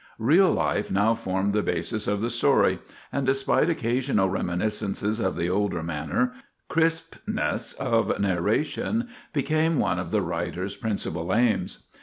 Real life now formed the basis of the story, and, despite occasional reminiscences of the older manner, crispness of narration became one of the writers' principal aims.